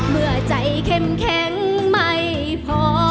เมื่อใจเข้มแข็งไม่พอ